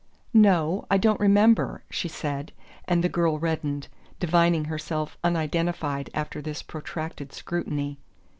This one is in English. "No I don't remember," she said; and the girl reddened, divining herself unidentified after this protracted scrutiny.